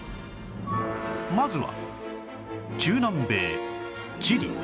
まずは中南米チリ